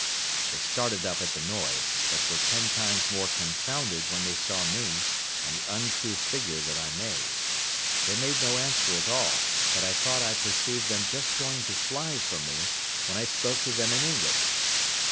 They started up at the noise, but were ten times more confounded when they saw me, and the uncouth figure that I made. They made no answer at all, but I thought I perceived them just going to fly from me, when I spoke to them in English.